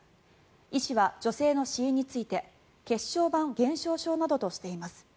医師は女性の死因について血小板減少症などとしています。